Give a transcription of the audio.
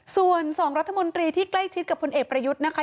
ส่วน๒รัฐมนตรีที่ใกล้ชิดกับพลเอกประยุทธ์นะคะ